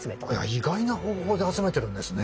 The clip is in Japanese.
意外な方法で集めてるんですね。